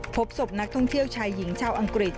พบศพนักท่องเที่ยวชายหญิงชาวอังกฤษ